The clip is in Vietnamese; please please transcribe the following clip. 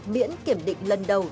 miễn kiểm định lần đầu